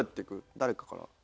誰かから。